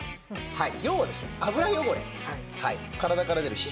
はい。